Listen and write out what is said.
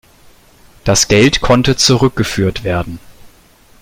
Das Geld konnte zurückgeführt werden.